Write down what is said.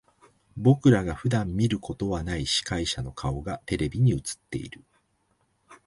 僕らが普段見ることはない司会者の顔がテレビに映っている。